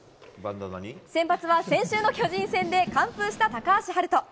先発は先週の巨人戦で完封した高橋遥人。